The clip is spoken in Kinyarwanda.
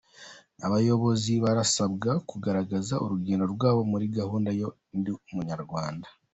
Abayobozi barasabwa kugaragaza urugendo rwabo muri gahunda ya "Ndi Umunyarwanda".